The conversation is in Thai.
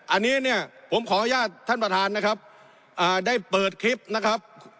อันนี้เนี่ยผมขออนุญาตท่านประธานนะครับได้เปิดคลิปนะครับ